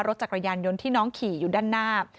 รถจักรยานยนต์ที่น้องขี่อยู่ด้านหน้า